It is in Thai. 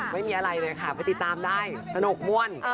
ไม่มีอะไรเลยค่ะไปติดตามได้สนุกม่วน